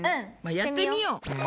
やってみよう。